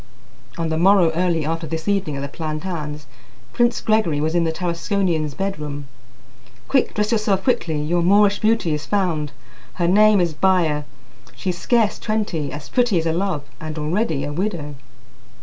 On the morrow early after this evening at the Platanes, Prince Gregory was in the Tarasconian's bedroom. "Quick! Dress yourself quickly! Your Moorish beauty is found, Her name is Baya. She's scarce twenty as pretty as a love, and already a widow."